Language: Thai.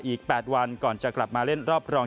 อีก๘วันก่อนจะกลับมาเล่นรอบรอง